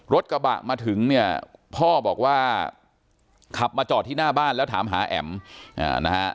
กระบะมาถึงเนี่ยพ่อบอกว่าขับมาจอดที่หน้าบ้านแล้วถามหาแอ๋มนะฮะ